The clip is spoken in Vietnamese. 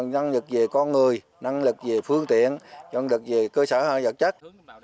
năng lực về con người năng lực về phương tiện năng lực về cơ sở hợp chất